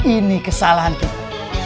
ini kesalahan kita